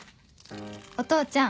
お父ちゃん